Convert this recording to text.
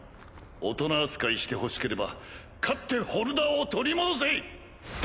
大人扱いしてほしければ勝ってホルダーを取り戻せ！